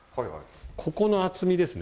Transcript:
ここの厚みですね。